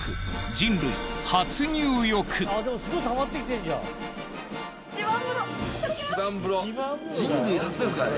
人類初ですからね。